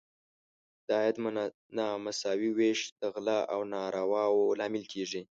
د عاید نامساوي ویش د غلا او نارواوو لامل کیږي.